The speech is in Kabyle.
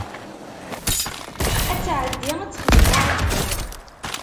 Ad tɛeddi ad texdem aɛwin.